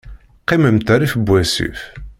Qqiment rrif n wasif.